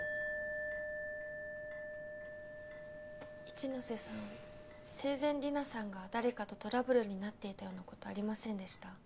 一ノ瀬さん生前利奈さんが誰かとトラブルになっていたようなことありませんでした？